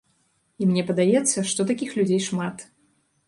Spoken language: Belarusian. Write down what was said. І мне падаецца, што такіх людзей шмат.